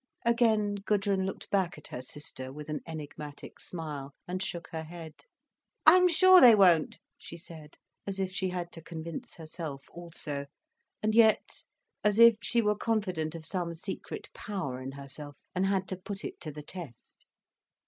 Again Gudrun looked back at her sister with an enigmatic smile, and shook her head. "I'm sure they won't," she said, as if she had to convince herself also, and yet, as if she were confident of some secret power in herself, and had to put it to the test.